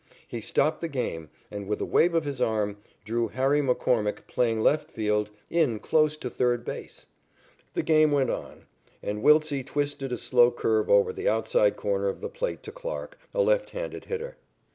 He stopped the game, and, with a wave of his arm, drew Harry McCormick, playing left field, in close to third base. The game went on, and Wiltse twisted a slow curve over the outside corner of the plate to Clarke, a left handed hitter.